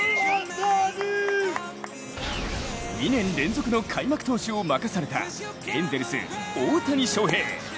２年連続の開幕投手を任されたエンゼルス・大谷翔平。